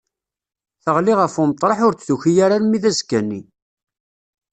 Teɣli ɣef umeṭreḥ ur d-tuki ara armi d azekka-nni.